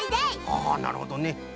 あなるほどね。